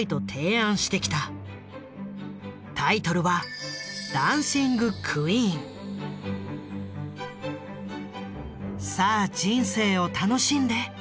タイトルは「さあ人生を楽しんで」